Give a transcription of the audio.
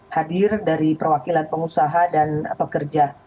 hadir dari perwakilan pengusaha dan pekerja